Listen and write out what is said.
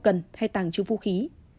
cần hay tàng trừ vũ khí